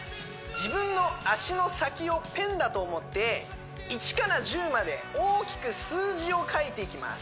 自分の足の先をペンだと思って１から１０まで大きく数字をかいていきます